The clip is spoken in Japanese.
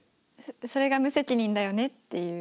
それが無責任だよねっていう。